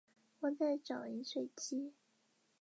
考生可以任意选择其中十道大题